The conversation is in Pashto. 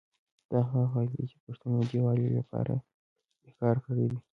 دا هغه خلګ دي چي د پښتونو د یوالي لپاره یي کار کړي دی